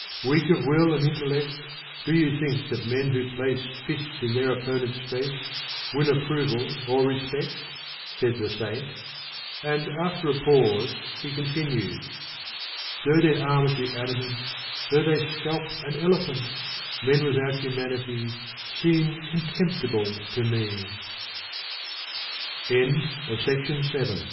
Weak of will and intellect Do you think that men who place Fists in their opponent's face Win approval or respect? said the Saint, and after a pause he continued : Though their arms be adamant Though they scalp an elephant, Men without hu